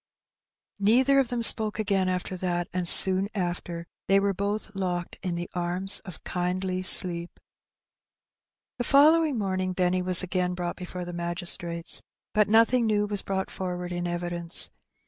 Neither of them spoke again after that, and soon after they were both locked in the arms of kindly sleep. The following morning Benny was again brought before the magistrates, but nothing new was brought forward in evidence.